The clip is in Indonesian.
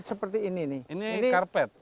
seperti ini ini karpet